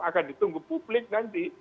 akan ditunggu publik nanti